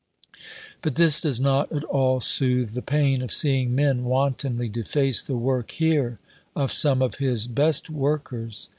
But this does not at all soothe the pain of seeing men wantonly deface the work here of some of His best workers.